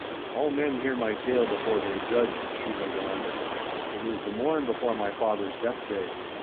'All men hear my tale before they judge,' she went on. 'It was the morn before my father's death day.